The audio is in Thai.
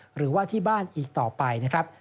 หรือว่าที่บ้านอีกต่อไปนะครับ